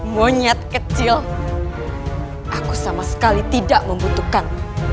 monyet kecil aku sama sekali tidak membutuhkan